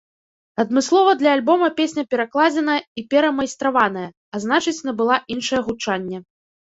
Адмыслова для альбома песня перакладзеная і перамайстраваная, а значыць набыла іншае гучанне.